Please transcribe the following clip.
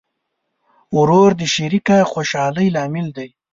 ورور د شریکه خوشحالۍ لامل وي.